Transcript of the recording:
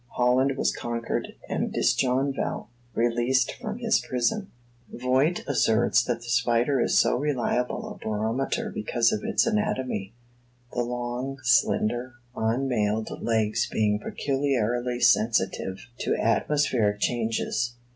Holland was conquered, and Disjonval released from his prison." Voigt asserts that the spider is so reliable a barometer because of its anatomy: the long, slender, unmailed legs being peculiarly sensitive to atmospheric changes.